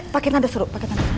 pakinan dah suruh pakinan